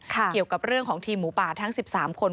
เกี่ยวกับเรื่องของทีมหมูป่าทั้ง๑๓คน